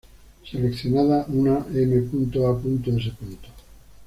Seleccionada una m.a.s.